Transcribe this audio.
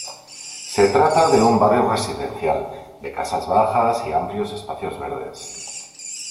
Se trata de un barrio residencial, de casas bajas y amplios espacios verdes.